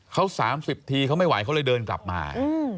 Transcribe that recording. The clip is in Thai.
เขา๓๐ทีเขาไม่ไหวเขาเลยเดินกลับมา